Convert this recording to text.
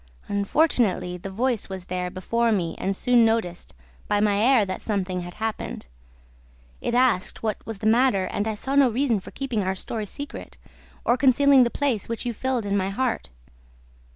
Unfortunately, the voice was there before me and soon noticed, by my air, that something had happened. It asked what was the matter and I saw no reason for keeping our story secret or concealing the place which you filled in my heart.